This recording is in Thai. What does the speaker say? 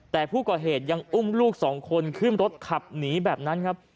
แต่ผู้ก่อเหตุยังอุ้มลูกสองคนขึ้นรถขับหนีแบบนั้นครับ